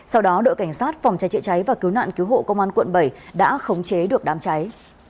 sau đó đội cảnh sát phòng cháy chữa cháy và cứu nạn cứu hộ công an quận bảy đã khống chế được đám cháy